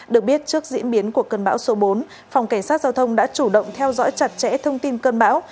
được biết trước diễn biến của cơn bão số bốn phòng cảnh sát giao thông đã chủ động theo dõi chặt chẽ thông tin cơn bão